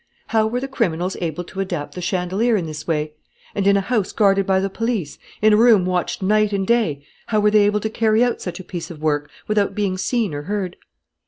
How were the criminals able to adapt the chandelier in this way? And, in a house guarded by the police, in a room watched night and day, how were they able to carry out such a piece of work without being seen or heard?"